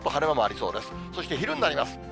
そして昼になります。